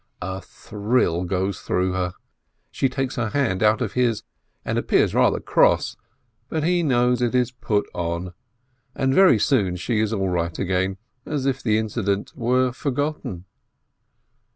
A thrill goes through her, she takes her hand out of his and appears rather cross, but he knows it is put on, and very soon she is all right again, as if the incident were forgotten.